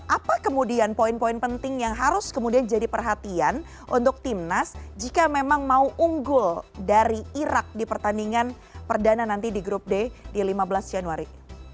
apa kemudian poin poin penting yang harus kemudian jadi perhatian untuk timnas jika memang mau unggul dari iraq di pertandingan perdana nanti di grup d di lima belas januari